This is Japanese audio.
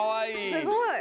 すごい！